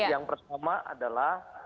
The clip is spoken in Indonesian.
yang pertama adalah